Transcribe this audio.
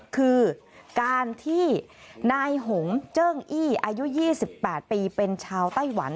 คือการที่นายหงเจิ้งอี้อายุ๒๘ปีเป็นชาวไต้หวัน